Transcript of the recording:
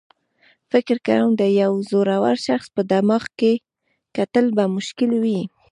فکر کوم د یو زړور شخص په دماغ کې کتل به مشکل وي.